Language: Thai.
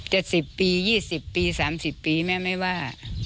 จะสิบปียี่สิบปีสามสิบปีแม่ไม่ว่า